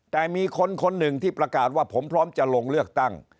แต่มีคนคนหนึ่งที่ประกาศว่าผมพร้อมจะลงเลือกตั้ง